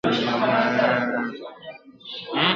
او د بل عیب همېشه د کلي منځ دی» !.